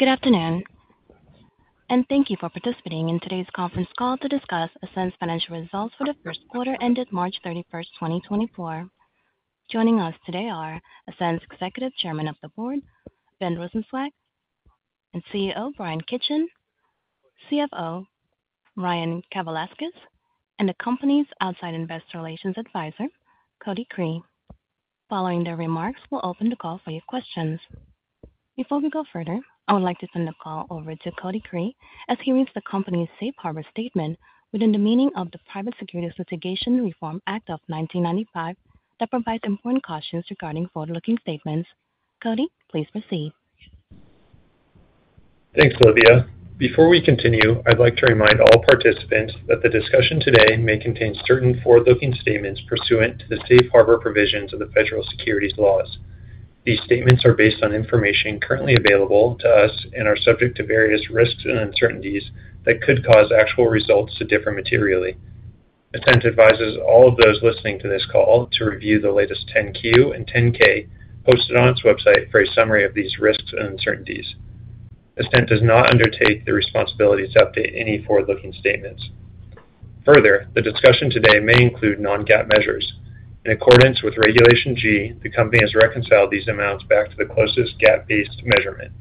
Good afternoon, and thank you for participating in today's conference call to discuss Ascent's financial results for the first quarter ended March 31st, 2024. Joining us today are Ascent's Executive Chairman of the Board, Ben Rosenzweig, and CEO Bryan Kitchen, CFO Ryan Kavalauskas, and the company's outside investor relations advisor, Cody Cree. Following their remarks, we'll open the call for your questions. Before we go further, I would like to send the call over to Cody Cree as he reads the company's Safe Harbor Statement within the meaning of the Private Securities Litigation Reform Act of 1995 that provides important cautions regarding forward-looking statements. Cody, please proceed. Thanks, Olivia. Before we continue, I'd like to remind all participants that the discussion today may contain certain forward-looking statements pursuant to the Safe Harbor provisions of the federal securities laws. These statements are based on information currently available to us and are subject to various risks and uncertainties that could cause actual results to differ materially. Ascent advises all of those listening to this call to review the latest 10-Q and 10-K posted on its website for a summary of these risks and uncertainties. Ascent does not undertake the responsibility to update any forward-looking statements. Further, the discussion today may include non-GAAP measures. In accordance with Regulation G, the company has reconciled these amounts back to the closest GAAP-based measurement.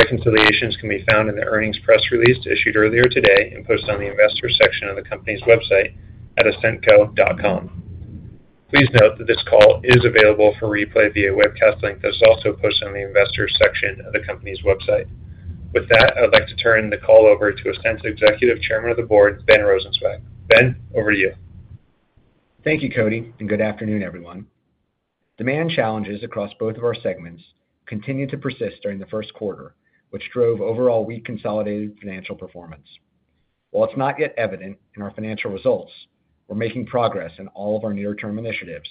Reconciliations can be found in the earnings press release issued earlier today and posted on the investors section of the company's website at ascentco.com. Please note that this call is available for replay via a webcast link that is also posted on the investors section of the company's website. With that, I would like to turn the call over to Ascent's Executive Chairman of the Board, Ben Rosenzweig. Ben, over to you. Thank you, Cody, and good afternoon, everyone. Demand challenges across both of our segments continue to persist during the first quarter, which drove overall weak consolidated financial performance. While it's not yet evident in our financial results, we're making progress in all of our near-term initiatives,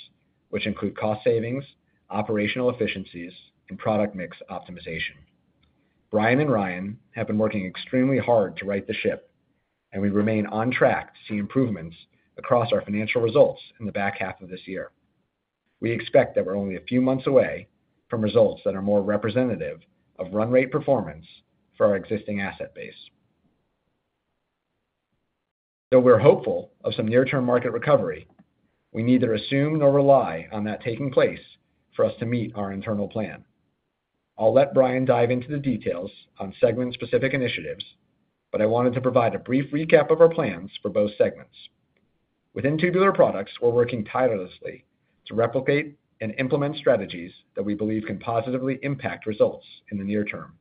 which include cost savings, operational efficiencies, and product mix optimization. Bryan and Ryan have been working extremely hard to right the ship, and we remain on track to see improvements across our financial results in the back half of this year. We expect that we're only a few months away from results that are more representative of run-rate performance for our existing asset base. Though we're hopeful of some near-term market recovery, we neither assume nor rely on that taking place for us to meet our internal plan. I'll let Bryan dive into the details on segment-specific initiatives, but I wanted to provide a brief recap of our plans for both segments. Within Tubular Products, we're working tirelessly to replicate and implement strategies that we believe can positively impact results in the near term.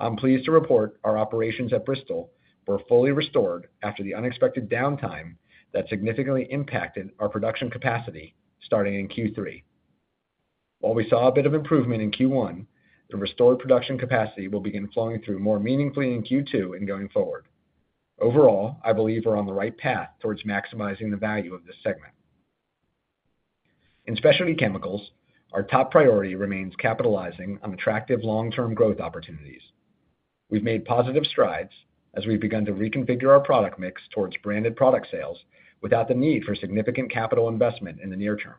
I'm pleased to report our operations at Bristol were fully restored after the unexpected downtime that significantly impacted our production capacity starting in Q3. While we saw a bit of improvement in Q1, the restored production capacity will begin flowing through more meaningfully in Q2 and going forward. Overall, I believe we're on the right path towards maximizing the value of this segment. In Specialty Chemicals, our top priority remains capitalizing on attractive long-term growth opportunities. We've made positive strides as we've begun to reconfigure our product mix towards branded product sales without the need for significant capital investment in the near term.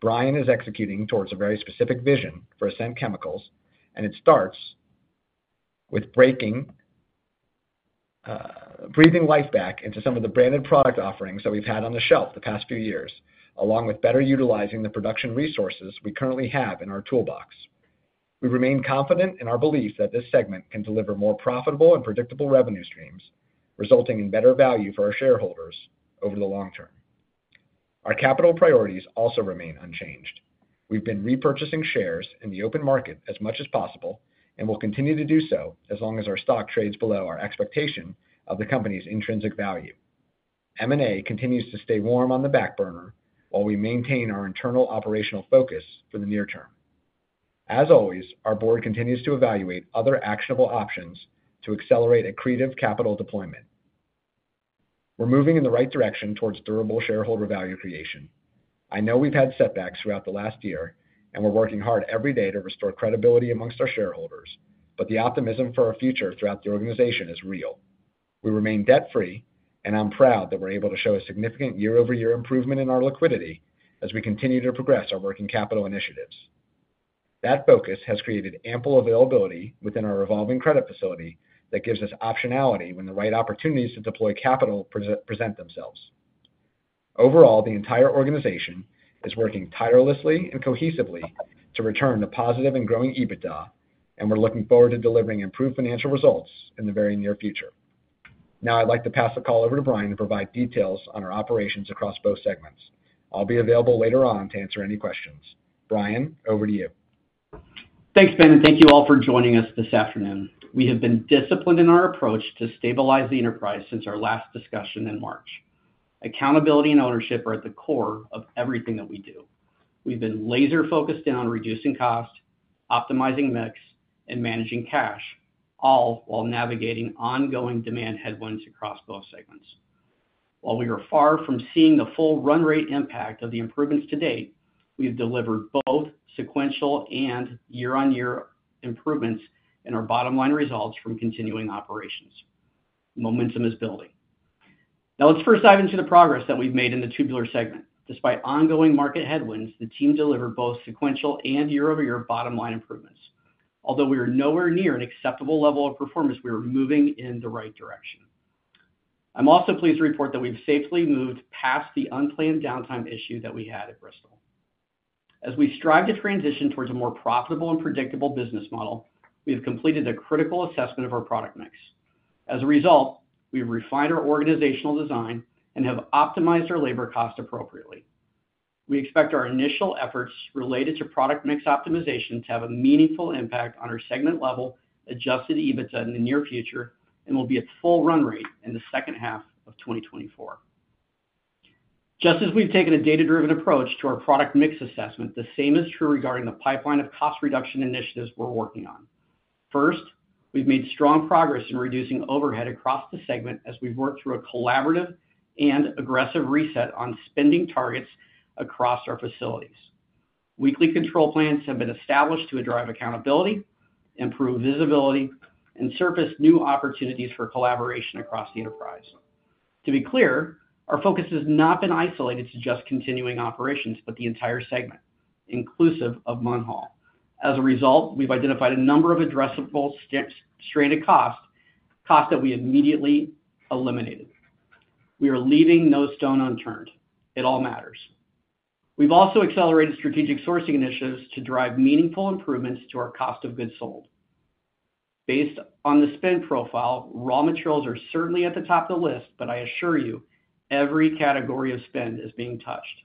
Bryan is executing towards a very specific vision for Ascent Chemicals, and it starts with breathing life back into some of the branded product offerings that we've had on the shelf the past few years, along with better utilizing the production resources we currently have in our toolbox. We remain confident in our belief that this segment can deliver more profitable and predictable revenue streams, resulting in better value for our shareholders over the long term. Our capital priorities also remain unchanged. We've been repurchasing shares in the open market as much as possible and will continue to do so as long as our stock trades below our expectation of the company's intrinsic value. M&A continues to stay warm on the back burner while we maintain our internal operational focus for the near term. As always, our board continues to evaluate other actionable options to accelerate accretive capital deployment. We're moving in the right direction towards durable shareholder value creation. I know we've had setbacks throughout the last year, and we're working hard every day to restore credibility among our shareholders, but the optimism for our future throughout the organization is real. We remain debt-free, and I'm proud that we're able to show a significant year-over-year improvement in our liquidity as we continue to progress our working capital initiatives. That focus has created ample availability within our evolving credit facility that gives us optionality when the right opportunities to deploy capital present themselves. Overall, the entire organization is working tirelessly and cohesively to return to positive and growing EBITDA, and we're looking forward to delivering improved financial results in the very near future. Now, I'd like to pass the call over to Bryan to provide details on our operations across both segments. I'll be available later on to answer any questions. Bryan, over to you. Thanks, Ben, and thank you all for joining us this afternoon. We have been disciplined in our approach to stabilize the enterprise since our last discussion in March. Accountability and ownership are at the core of everything that we do. We've been laser-focused in on reducing cost, optimizing mix, and managing cash, all while navigating ongoing demand headwinds across both segments. While we are far from seeing the full run-rate impact of the improvements to date, we have delivered both sequential and year-on-year improvements in our bottom-line results from continuing operations. Momentum is building. Now, let's first dive into the progress that we've made in the Tubular segment. Despite ongoing market headwinds, the team delivered both sequential and year-over-year bottom-line improvements. Although we are nowhere near an acceptable level of performance, we are moving in the right direction. I'm also pleased to report that we've safely moved past the unplanned downtime issue that we had at Bristol. As we strive to transition towards a more profitable and predictable business model, we have completed a critical assessment of our product mix. As a result, we've refined our organizational design and have optimized our labor cost appropriately. We expect our initial efforts related to product mix optimization to have a meaningful impact on our segment-level Adjusted EBITDA in the near future and will be at full run-rate in the second half of 2024. Just as we've taken a data-driven approach to our product mix assessment, the same is true regarding the pipeline of cost reduction initiatives we're working on. First, we've made strong progress in reducing overhead across the segment as we've worked through a collaborative and aggressive reset on spending targets across our facilities. Weekly control plans have been established to address accountability, improve visibility, and surface new opportunities for collaboration across the enterprise. To be clear, our focus has not been isolated to just continuing operations but the entire segment, inclusive of Munhall. As a result, we've identified a number of addressable stranded costs that we immediately eliminated. We are leaving no stone unturned. It all matters. We've also accelerated strategic sourcing initiatives to drive meaningful improvements to our cost of goods sold. Based on the spend profile, raw materials are certainly at the top of the list, but I assure you, every category of spend is being touched.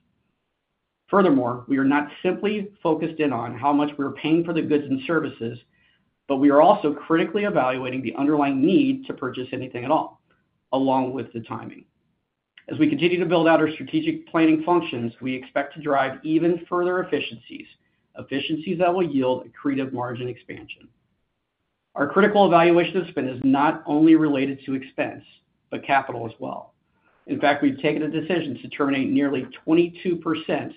Furthermore, we are not simply focused in on how much we're paying for the goods and services, but we are also critically evaluating the underlying need to purchase anything at all, along with the timing. As we continue to build out our strategic planning functions, we expect to drive even further efficiencies, efficiencies that will yield accretive margin expansion. Our critical evaluation of spend is not only related to expense but capital as well. In fact, we've taken a decision to terminate nearly 22% of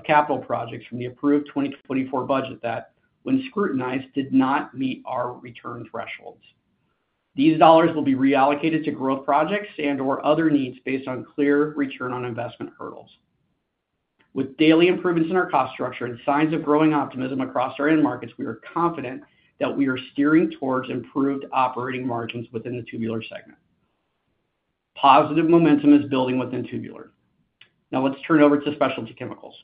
capital projects from the approved 2024 budget that, when scrutinized, did not meet our return thresholds. These dollars will be reallocated to growth projects and/or other needs based on clear return-on-investment hurdles. With daily improvements in our cost structure and signs of growing optimism across our end markets, we are confident that we are steering towards improved operating margins within the Tubular segment. Positive momentum is building within Tubular. Now, let's turn over to Specialty Chemicals.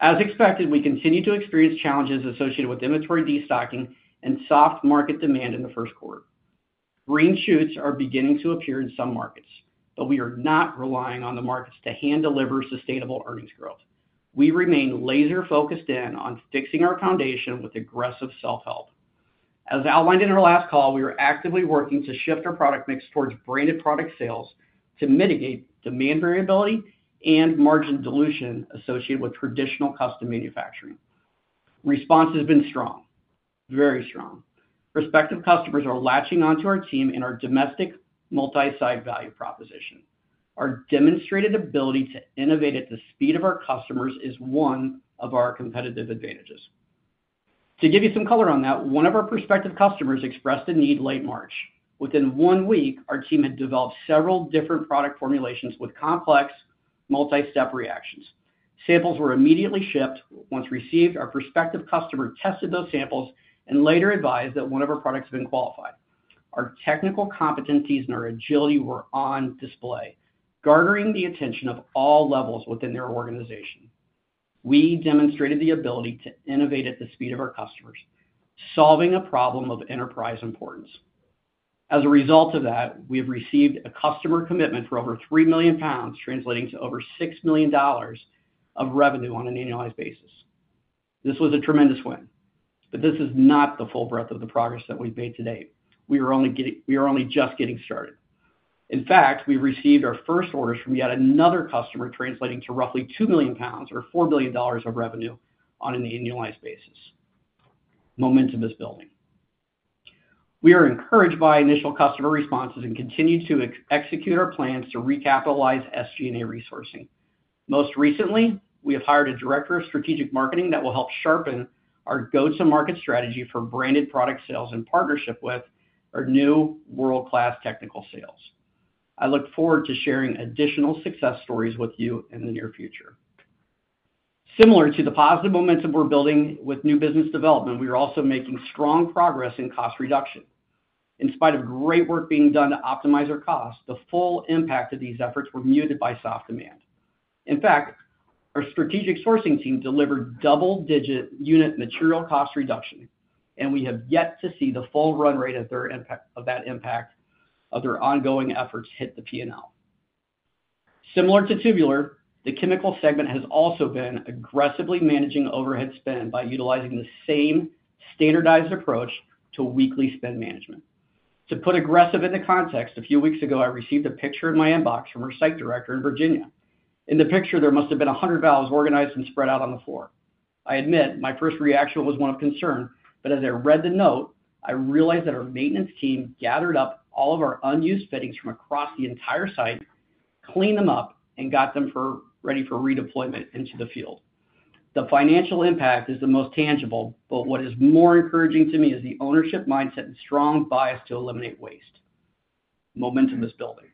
As expected, we continue to experience challenges associated with inventory destocking and soft market demand in the first quarter. Green shoots are beginning to appear in some markets, but we are not relying on the markets to hand-deliver sustainable earnings growth. We remain laser-focused in on fixing our foundation with aggressive self-help. As outlined in our last call, we are actively working to shift our product mix towards branded product sales to mitigate demand variability and margin dilution associated with traditional custom manufacturing. Response has been strong, very strong. Respective customers are latching onto our team in our domestic multi-site value proposition. Our demonstrated ability to innovate at the speed of our customers is one of our competitive advantages. To give you some color on that, one of our prospective customers expressed a need late March. Within one week, our team had developed several different product formulations with complex, multi-step reactions. Samples were immediately shipped. Once received, our prospective customer tested those samples and later advised that one of our products had been qualified. Our technical competencies and our agility were on display, garnering the attention of all levels within their organization. We demonstrated the ability to innovate at the speed of our customers, solving a problem of enterprise importance. As a result of that, we have received a customer commitment for over 3 million pounds, translating to over $6 million of revenue on an annualized basis. This was a tremendous win, but this is not the full breadth of the progress that we've made to date. We are only just getting started. In fact, we've received our first orders from yet another customer, translating to roughly 2 million pounds or $4 million of revenue on an annualized basis. Momentum is building. We are encouraged by initial customer responses and continue to execute our plans to recapitalize SG&A resourcing. Most recently, we have hired a director of strategic marketing that will help sharpen our go-to-market strategy for branded product sales in partnership with our new world-class technical sales. I look forward to sharing additional success stories with you in the near future. Similar to the positive momentum we're building with new business development, we are also making strong progress in cost reduction. In spite of great work being done to optimize our costs, the full impact of these efforts was muted by soft demand. In fact, our strategic sourcing team delivered double-digit unit material cost reduction, and we have yet to see the full run-rate of that impact of their ongoing efforts hit the P&L. Similar to Tubular, the chemical segment has also been aggressively managing overhead spend by utilizing the same standardized approach to weekly spend management. To put aggressive in the context, a few weeks ago, I received a picture in my inbox from our site director in Virginia. In the picture, there must have been 100 valves organized and spread out on the floor. I admit, my first reaction was one of concern, but as I read the note, I realized that our maintenance team gathered up all of our unused fittings from across the entire site, cleaned them up, and got them ready for redeployment into the field. The financial impact is the most tangible, but what is more encouraging to me is the ownership mindset and strong bias to eliminate waste. Momentum is building.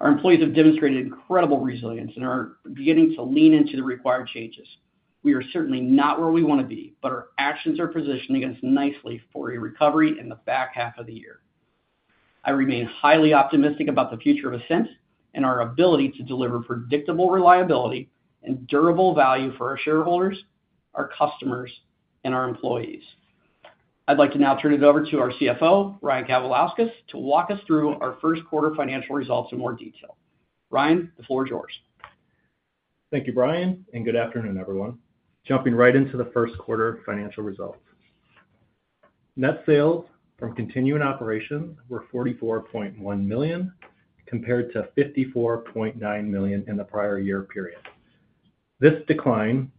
Our employees have demonstrated incredible resilience and are beginning to lean into the required changes. We are certainly not where we want to be, but our actions are positioning us nicely for a recovery in the back half of the year. I remain highly optimistic about the future of Ascent and our ability to deliver predictable reliability and durable value for our shareholders, our customers, and our employees. I'd like to now turn it over to our CFO, Ryan Kavalauskas, to walk us through our first quarter financial results in more detail. Ryan, the floor is yours. Thank you, Bryan, and good afternoon, everyone. Jumping right into the first quarter financial results. Net sales from continuing operations were $44.1 million compared to $54.9 million in the prior year period. This decline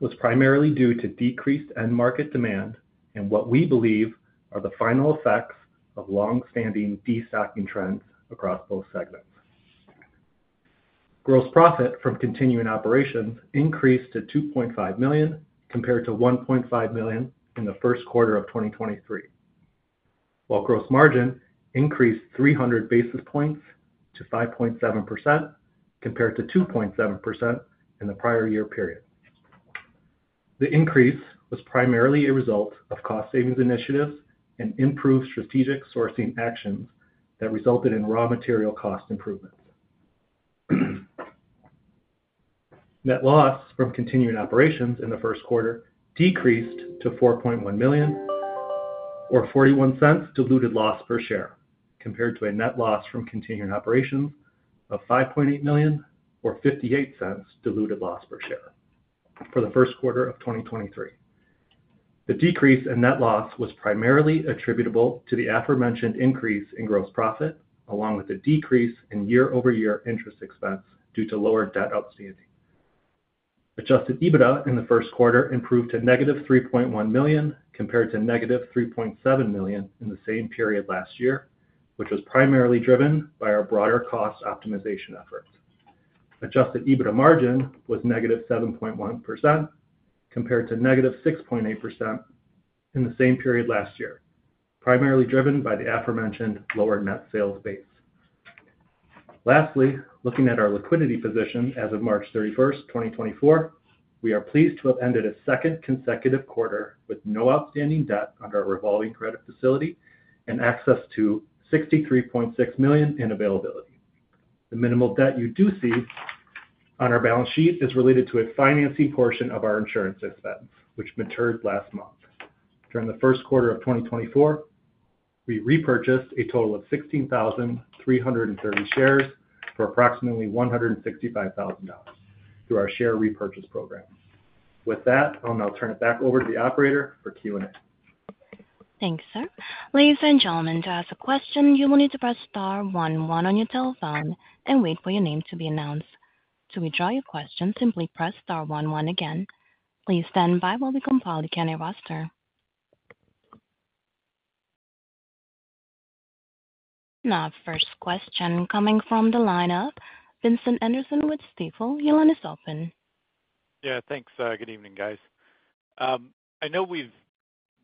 was primarily due to decreased end-market demand and what we believe are the final effects of longstanding destocking trends across both segments. Gross profit from continuing operations increased to $2.5 million compared to $1.5 million in the first quarter of 2023, while gross margin increased 300 basis points to 5.7% compared to 2.7% in the prior year period. The increase was primarily a result of cost-savings initiatives and improved strategic sourcing actions that resulted in raw material cost improvements. Net loss from continuing operations in the first quarter decreased to $4.1 million, or $0.41 diluted loss per share compared to a net loss from continuing operations of $5.8 million, or $0.58 diluted loss per share for the first quarter of 2023. The decrease in net loss was primarily attributable to the aforementioned increase in gross profit along with a decrease in year-over-year interest expense due to lower debt outstanding. Adjusted EBITDA in the first quarter improved to negative $3.1 million compared to negative $3.7 million in the same period last year, which was primarily driven by our broader cost optimization efforts. Adjusted EBITDA margin was negative 7.1% compared to negative 6.8% in the same period last year, primarily driven by the aforementioned lower net sales base. Lastly, looking at our liquidity position as of March 31st, 2024, we are pleased to have ended a second consecutive quarter with no outstanding debt under our revolving credit facility and access to $63.6 million in availability. The minimal debt you do see on our balance sheet is related to a financing portion of our insurance expense, which matured last month. During the first quarter of 2024, we repurchased a total of 16,330 shares for approximately $165,000 through our share repurchase program. With that, I'll now turn it back over to the operator for Q&A. Thanks, sir. Ladies and gentlemen, to ask a question, you will need to press star one one on your telephone and wait for your name to be announced. To withdraw your question, simply press star one one again. Please stand by while we compile the Q&A roster. Now, first question coming from the lineup, Vincent Anderson with Stifel. Your line is open. Yeah, thanks. Good evening, guys. I know we've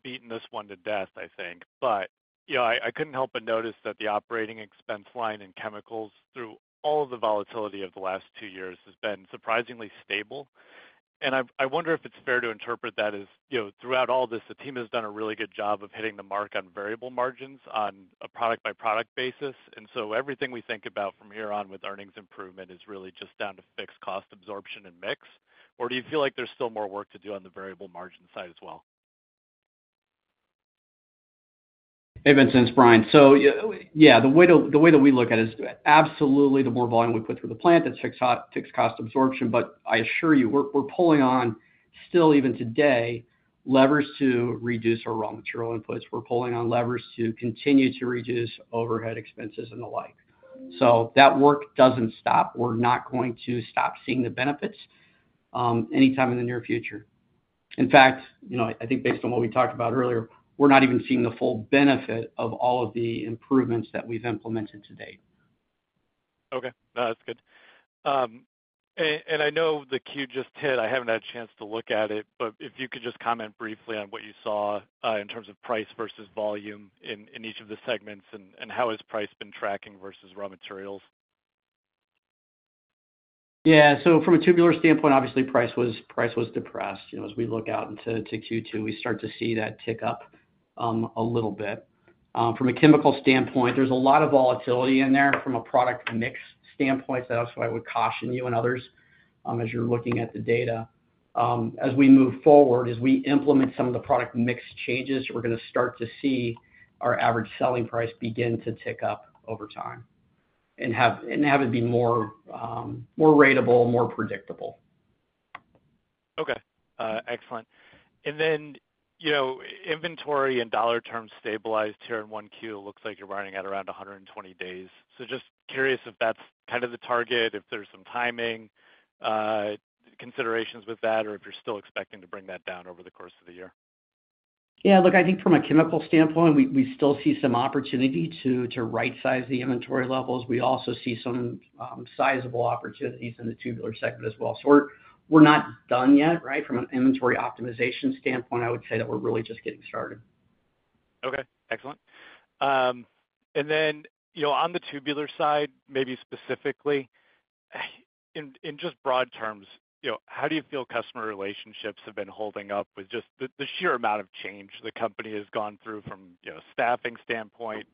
beaten this one to death, I think, but I couldn't help but notice that the operating expense line in chemicals through all of the volatility of the last two years has been surprisingly stable. And I wonder if it's fair to interpret that as throughout all this, the team has done a really good job of hitting the mark on variable margins on a product-by-product basis. And so everything we think about from here on with earnings improvement is really just down to fixed cost absorption and mix. Or do you feel like there's still more work to do on the variable margin side as well? Hey, Vincent, it's Bryan. So yeah, the way that we look at it is absolutely the more volume we put through the plant, that's fixed cost absorption. But I assure you, we're pulling on still, even today, levers to reduce our raw material inputs. We're pulling on levers to continue to reduce overhead expenses and the like. So that work doesn't stop. We're not going to stop seeing the benefits anytime in the near future. In fact, I think based on what we talked about earlier, we're not even seeing the full benefit of all of the improvements that we've implemented to date. Okay. That's good. I know the Q just hit. I haven't had a chance to look at it, but if you could just comment briefly on what you saw in terms of price versus volume in each of the segments, and how has price been tracking versus raw materials? Yeah. So from a Tubular standpoint, obviously, price was depressed. As we look out into Q2, we start to see that tick up a little bit. From a chemical standpoint, there's a lot of volatility in there from a product mix standpoint. That's why I would caution you and others as you're looking at the data. As we move forward, as we implement some of the product mix changes, we're going to start to see our average selling price begin to tick up over time and have it be more ratable, more predictable. Okay. Excellent. And then inventory in dollar terms stabilized here in 1Q, it looks like you're running at around 120 days. So just curious if that's kind of the target, if there's some timing considerations with that, or if you're still expecting to bring that down over the course of the year? Yeah. Look, I think from a chemical standpoint, we still see some opportunity to right-size the inventory levels. We also see some sizable opportunities in the Tubular segment as well. So we're not done yet, right? From an inventory optimization standpoint, I would say that we're really just getting started. Okay. Excellent. Then on the Tubular side, maybe specifically, in just broad terms, how do you feel customer relationships have been holding up with just the sheer amount of change the company has gone through from a staffing standpoint,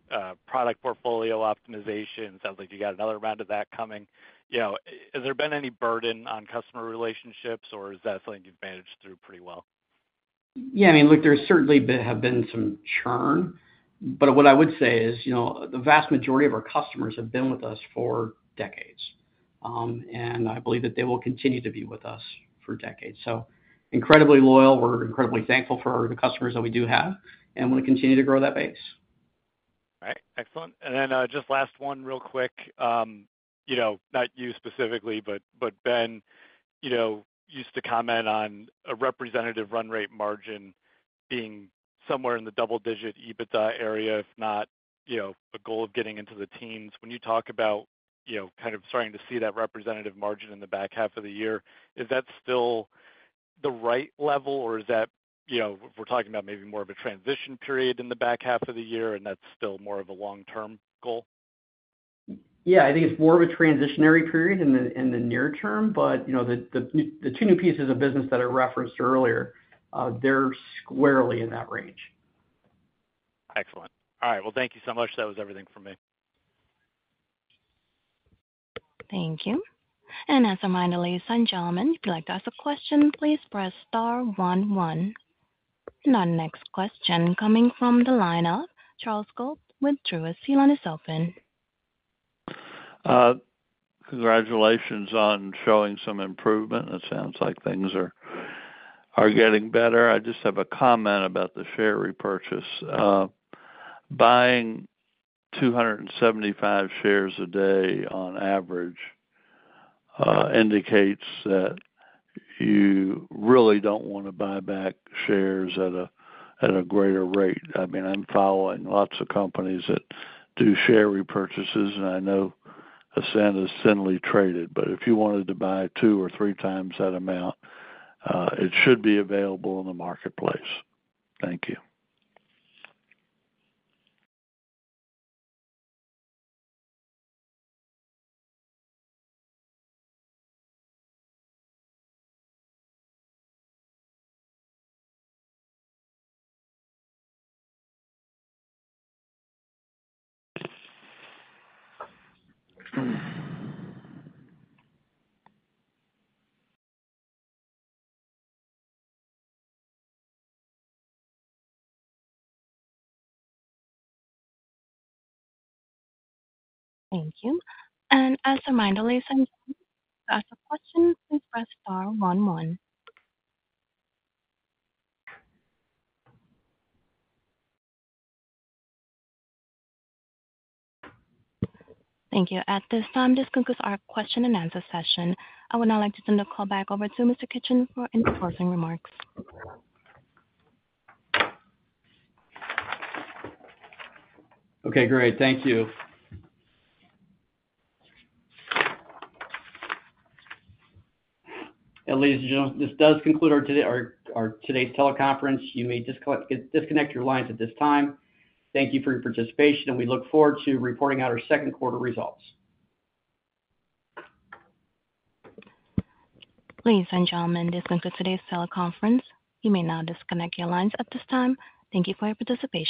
product portfolio optimization? Sounds like you got another round of that coming. Has there been any burden on customer relationships, or is that something you've managed through pretty well? Yeah. I mean, look, there certainly have been some churn. But what I would say is the vast majority of our customers have been with us for decades. And I believe that they will continue to be with us for decades. So incredibly loyal. We're incredibly thankful for the customers that we do have and want to continue to grow that base. All right. Excellent. And then just last one, real quick, not you specifically, but Ben used to comment on a representative run rate margin being somewhere in the double-digit EBITDA area, if not a goal of getting into the teens. When you talk about kind of starting to see that representative margin in the back half of the year, is that still the right level, or is that we're talking about maybe more of a transition period in the back half of the year, and that's still more of a long-term goal? Yeah. I think it's more of a transitional period in the near term. But the two new pieces of business that I referenced earlier, they're squarely in that range. Excellent. All right. Well, thank you so much. That was everything from me. Thank you. As a reminder, ladies and gentlemen, if you'd like to ask a question, please press star 11. Now, next question coming from the lineup, Charles Culp, with Truist your line is open. Congratulations on showing some improvement. It sounds like things are getting better. I just have a comment about the share repurchase. Buying 275 shares a day on average indicates that you really don't want to buy back shares at a greater rate. I mean, I'm following lots of companies that do share repurchases, and I know Ascent is thinly traded. But if you wanted to buy two or three times that amount, it should be available in the marketplace. Thank you. Thank you. As a reminder, ladies and gentlemen, if you want to ask a question, please press star one one. Thank you. At this time, this concludes our Q&A session. I would now like to send a callback over to Mr. Kitchen for closing remarks. Okay. Great. Thank you. Ladies and gentlemen, this does conclude our today's teleconference. You may disconnect your lines at this time. Thank you for your participation, and we look forward to reporting out our second quarter results. Ladies and gentlemen, this concludes today's teleconference. You may now disconnect your lines at this time. Thank you for your participation.